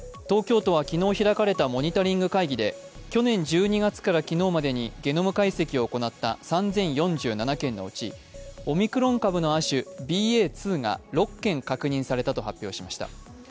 東京都は昨日開かれたモニタリング会議で、去年１２月から昨日までにゲノム解析を行った３０４７件のうちオミクロン株の亜種、ＢＡ．２が６件確認されたと発表しました。